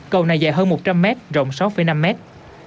cầu này dài hơn một trăm linh mét rộng sáu năm mét